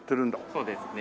そうですね。